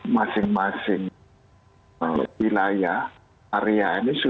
masing masing wilayah area ini